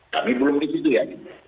tapi belum disitu ya